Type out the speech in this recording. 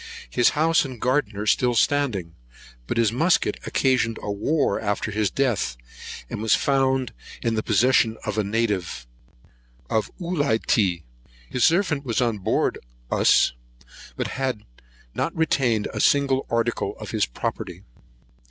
His house and garden are still standing; but his musket occasioned a war after his death, and was found in the possession of a native of Ulitea. His servant was on board of us, but had not retained a single article of his property.